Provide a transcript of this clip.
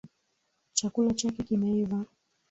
Chakula chake kimeiva.